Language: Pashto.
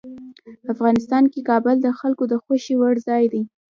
افغانستان کې کابل د خلکو د خوښې وړ ځای دی.